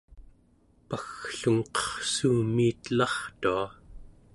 pagglungqerrsuumiitelartua